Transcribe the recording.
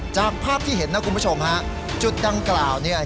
จากภาพที่เห็นนะคุณผู้ชมฮะจุดดังกล่าวเนี่ย